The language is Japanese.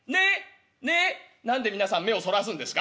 何で皆さん目をそらすんですか？